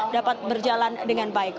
dapat berjalan dengan baik